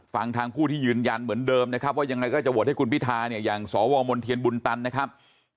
ฟังทางผู้ที่ยืนยันเหมือนเดิมนะครับว่ายังไงก็จะโหวตให้คุณพิธาเนี่ยอย่างสวมนเทียนบุญตันนะครับ